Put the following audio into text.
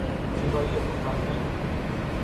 زیبایی دخترانهی او